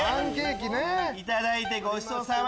いただいてごちそうさま！